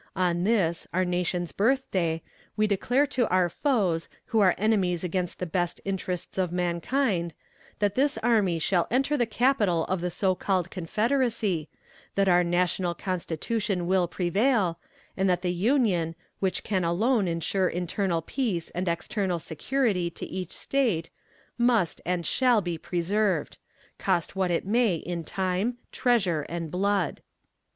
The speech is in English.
On this, our nation's birth day, we declare to our foes, who are enemies against the best interests of mankind, that this army shall enter the capital of the so called confederacy; that our national constitution shall prevail, and that the Union, which can alone insure internal peace and external security to each State, 'must and shall be preserved,' cost what it may in time, treasure, and blood."